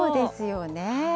そうですよね。